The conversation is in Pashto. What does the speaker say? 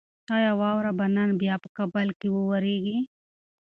ایا واوره به نن بیا په کابل کې وورېږي؟